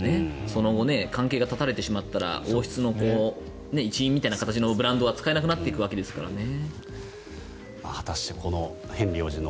その後関係が断たれてしまったら王室の一員みたいなブランドは使えなくなっていくわけですからね。